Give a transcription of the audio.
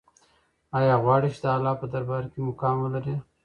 آیا غواړې چې د الله په دربار کې مقام ولرې؟